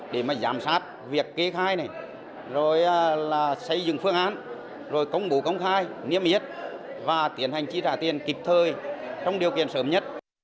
để mà giám sát việc kê khai này rồi là xây dựng phương án rồi công bố công khai niêm yết và tiến hành chi trả tiền kịp thời trong điều kiện sớm nhất